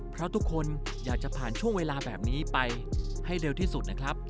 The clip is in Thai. เพราะทุกคนอยากจะผ่านช่วงเวลาแบบนี้ไปให้เร็วที่สุดนะครับ